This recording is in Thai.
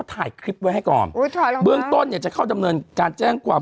ถ่ายคลิปไว้ให้ก่อนเบื้องต้นเนี่ยจะเข้าดำเนินการแจ้งความ